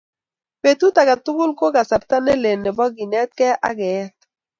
Petut age tugul ko kasarta nelel nebo kenetkei ak keet